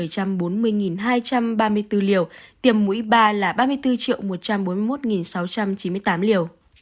cảm ơn các bạn đã theo dõi và hẹn gặp lại